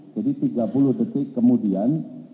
jadi tiga puluh detik kemudian